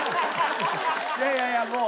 いやいやいやもう。